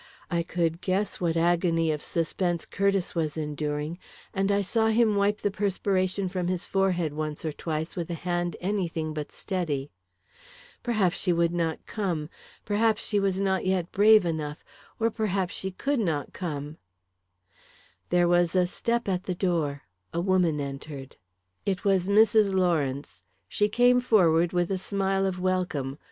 I could guess what agony of suspense Curtiss was enduring and I saw him wipe the perspiration from his forehead once or twice with a hand anything but steady. Perhaps she would not come. Perhaps she was not yet brave enough. Or perhaps she could not come There was a step at the door; a woman entered It was Mrs. Lawrence. She came forward with a smile of welcome.